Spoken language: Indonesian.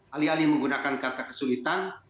alih alih menggunakan kata kesulitan